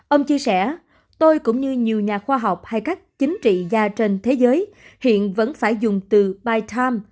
ông chia sẻ tôi cũng như nhiều nhà khoa học hay các chính trị gia trên thế giới hiện vẫn phải dùng từ big